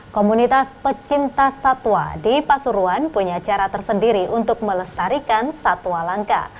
komunitas pecinta satwa di pasuruan punya cara tersendiri untuk melestarikan satwa langka